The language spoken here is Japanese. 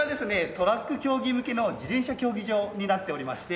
トラック競技向けの自転車競技場になっておりまして。